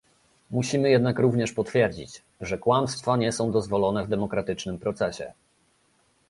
Musimy jednak również potwierdzić, że kłamstwa nie są dozwolone w demokratycznym procesie